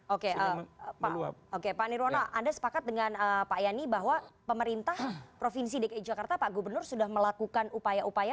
oke pak nirwono anda sepakat dengan pak yani bahwa pemerintah provinsi dki jakarta pak gubernur sudah melakukan upaya upaya